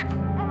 ass ya udi